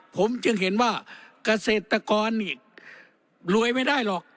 ผมจึงเห็นว่าเกษตรกรนี่รวยไม่ได้หรอก